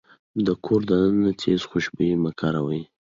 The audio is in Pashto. د کور دننه تيز خوشبويي مه کاروئ.